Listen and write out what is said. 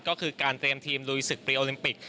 ก็คือการเตรียมทีมลุยศึกปรีโอลิมปิก